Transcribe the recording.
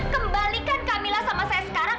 kembalikan kamilah sama saya sekarang